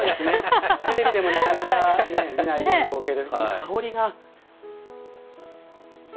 テレビでもなかなか見ないような光景です。